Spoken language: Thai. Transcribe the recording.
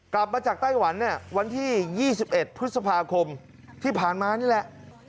กลับมาจากไต้หวันเนี่ยวันที่๒๑พฤษภาคมที่ผ่านมานี่แหละ